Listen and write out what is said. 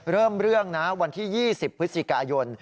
เริ่มเรื่องนะวันที่๒๐พฤศจิกายน